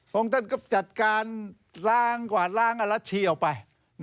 ท่านก็จัดการล้างกวาดล้างอรัชชีออกไป